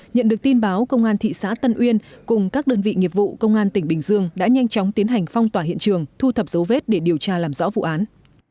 nhận được tin báo công an thị xã tân uyên cùng các đơn vị nghiệp vụ công an tỉnh bình dương đã nhanh chóng tiến hành phong tỏa hiện trường thu thập dấu vết để điều tra làm rõ vụ án